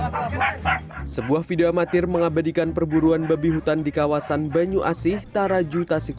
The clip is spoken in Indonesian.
hai sebuah video amatir mengabadikan perburuan babi hutan di kawasan banyu asih taraju tasik